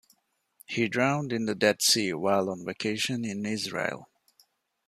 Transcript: He drowned in the Dead Sea while on vacation in Israel.